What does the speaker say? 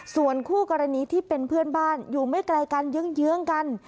ส่วนคู่กรณีที่เป็นเพื่อนบ้านอยู่ไม่ไกลกันเยื้องกัน